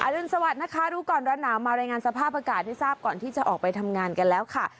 รุนสวัสดิ์นะคะรู้ก่อนร้อนหนาวมารายงานสภาพอากาศให้ทราบก่อนที่จะออกไปทำงานกันแล้วค่ะ